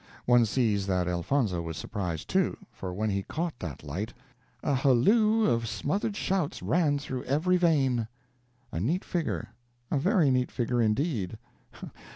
One sees that Elfonzo was surprised, too; for when he caught that light, "a halloo of smothered shouts ran through every vein." A neat figure a very neat figure, indeed!